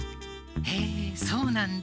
へえそうなんだ。